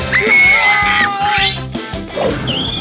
พี่ปลอย